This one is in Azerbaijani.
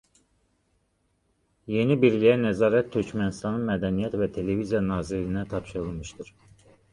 Yeni birliyə nəzarət Türkmənistanın Mədəniyyət və Televiziya nazirliyinə tapşırılır.